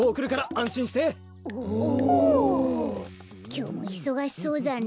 きょうもいそがしそうだね。